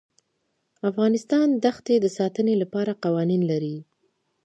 افغانستان د ښتې د ساتنې لپاره قوانین لري.